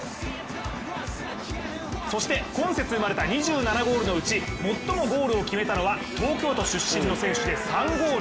そして今節生まれた２７ゴールのうち最もゴールを決めたのは東京都出身の選手で３ゴール。